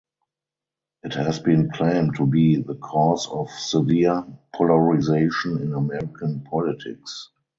It has been claimed to be the cause of severe polarization in American politics.